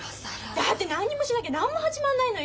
だって何にもしなきゃ何も始まらないのよ。